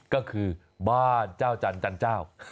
ก็คือบ้านเจ้าจันจันเจ้า